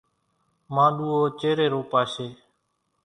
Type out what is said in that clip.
مانڏوُئو چيرين روپاشيَ۔